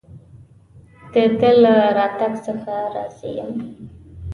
د ده له راتګ څخه راضي یم.